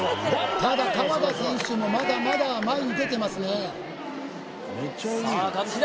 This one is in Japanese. ただ河田選手もまだまだ前に出てますねさあ左！